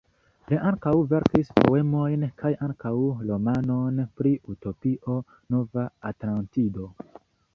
Li ankaŭ verkis poemojn kaj ankaŭ romanon pri utopio, Nova Atlantido.